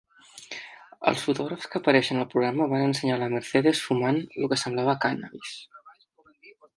Els fotògrafs que apareixen al programa van ensenyar la Mercedes fumant lo que semblava cànnabis.